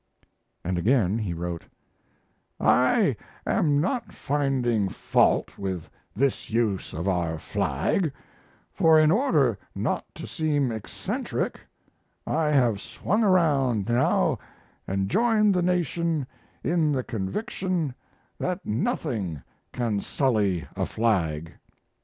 And again he wrote: I am not finding fault with this use of our flag, for in order not to seem eccentric I have swung around now and joined the nation in the conviction that nothing can sully a flag.